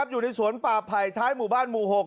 อยู่ในสวนป่าไผ่ท้ายหมู่บ้านหมู่๖